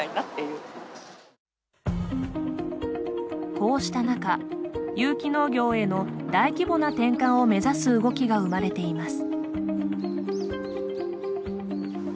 こうした中、有機農業への大規模な転換を目指す動きが生まれています。